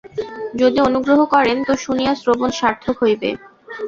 যদি অনুগ্রহ করেন তো শুনিয়া শ্রবণ সার্থক হইবে।